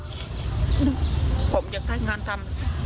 หนึ่งผมจะได้งานทำ